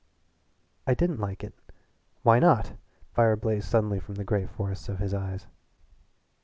"I didn't like it." "Why not?" Fire blazed suddenly from the gray forests of his eyes.